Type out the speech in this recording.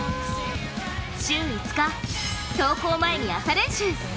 週５日、登校前に朝練習。